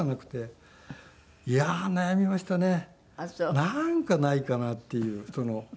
なんかないかなっていう。